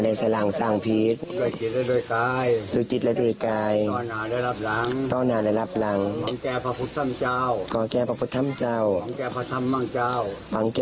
นั่นก็เป็นพิธีขอข้ามาลาโทษเจ้าอาวาสนะคะ